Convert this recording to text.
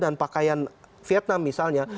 dan pakaian vietnam misalnya